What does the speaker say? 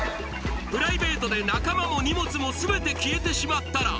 プライベートで仲間も荷物も全て消えてしまったら？